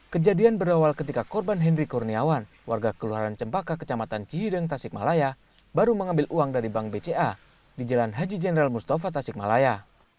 kejadian berawal ketika korban henry kurniawan warga keluaran cempaka kecamatan cihideng tasikmalaya baru mengambil uang dari bank bca di jalan haji jenderal mustafa tasikmalaya